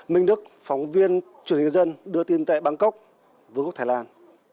minh đức phóng viên truyền hình nhân dân đưa tin tại bangkok vương quốc thái lan